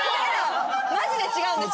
マジで違うんです。